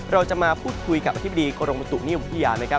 เราจะมาพูดคุยกับอธิบดีกรมอุตุขนิยมพิยา